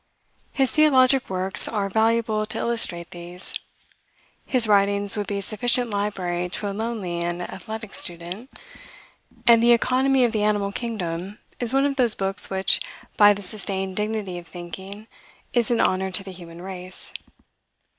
His theologic works are valuable to illustrate these. His writings would be a sufficient library to a lonely and athletic student; and the "Economy of the Animal Kingdom" is one of those books which, by the sustained dignity of thinking, is an honor to the human race.